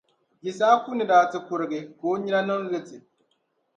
Yisahaku ni daa ti kurigi, ka o nina niŋ liti.